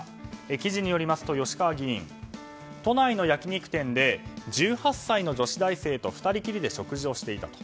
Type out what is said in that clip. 記事によりますと吉川議員都内の焼き肉店で１８歳の女子大生と２人きりで食事をしていたと。